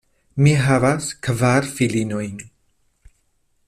Mi havas kvar filinojn.